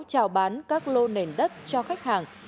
trào bán các lô nền đất cho khách hàng